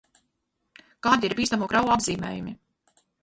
Kādi ir bīstamo kravu apzīmējumi?